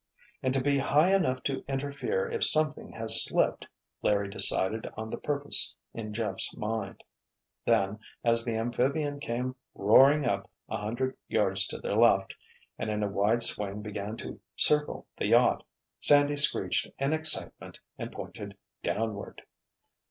"And to be high enough to interfere if something has slipped," Larry decided on the purpose in Jeff's mind. Then, as the amphibian came roaring up a hundred yards to their left, and in a wide swing began to circle the yacht, Sandy screeched in excitement and pointed downward.